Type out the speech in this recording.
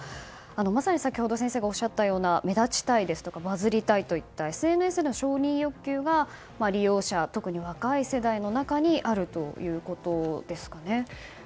まさに先ほど先生がおっしゃったような目立ちたいですとかバズりたいですとかＳＮＳの承認欲求が利用者、特に若い世代の中にそうなんです。